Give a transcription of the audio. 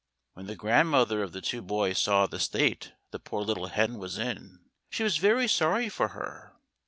When the grandmother of the two boys saw the state the poor little hen was in, she was very sorry for her.